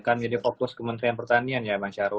akan jadi fokus kementerian pertanian ya pak charo